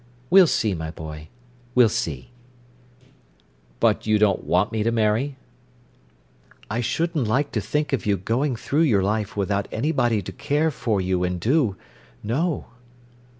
"We'll see, my boy, we'll see." "But you don't want me to marry?" "I shouldn't like to think of you going through your life without anybody to care for you and do—no."